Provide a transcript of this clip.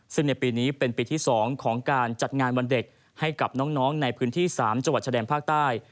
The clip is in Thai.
ซึ่งในปีนี้เป็นปีที่๒ของการจัดงานวันเด็กให้กับน้องในพื้นที่๓จังหวัดชะแดนภาคใต้